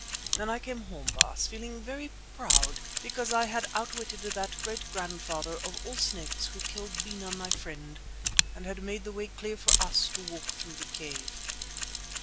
Then I came home, Baas, feeling very proud because I had outwitted that great grandfather of all snakes who killed Bena my friend, and had made the way clear for us to walk through the cave.